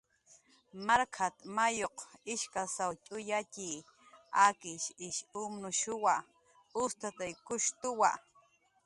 "Markat"" mayuq ishkasw ch'uyatxi, akishq ish umnushuwa, ustataykushtuwa"